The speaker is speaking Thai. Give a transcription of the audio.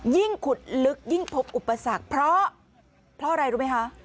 ยิ่งขุดลึกยิ่งพบอุปสรรคเพราะอะไรรู้ไหมคะ